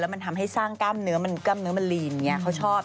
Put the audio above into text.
มันทำให้สร้างกล้ามเนื้อมันกล้ามเนื้อมันลีนอย่างนี้เขาชอบ